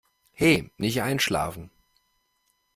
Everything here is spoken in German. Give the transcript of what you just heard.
He, nicht einschlafen.